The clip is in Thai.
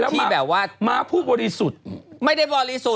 อ้าวตายแล้วมามาผู้บรีสุฐกลั่งไม่ได้บรีสุฐ